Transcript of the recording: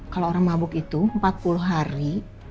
kalau orang mabuk itu empat puluh hari